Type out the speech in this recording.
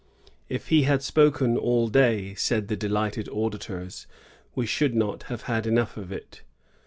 *^If he had spoken all day," said the delighted auditors, we should not have had enough of it."